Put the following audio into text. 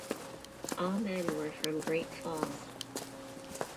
All men were from Great Falls.